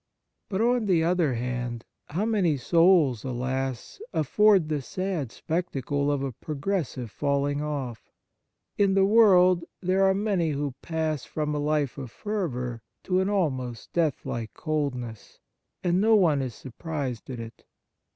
But, on the other hand, how many souls, alas ! afford the sad spectacle of a progressive falling off! In the world there are many who pass from a life of fervour to an almost death like coldness, and no one is surprised at it.